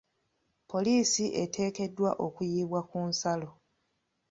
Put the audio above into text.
poliisi eteekeedwa okuyiibwa ku nsalo.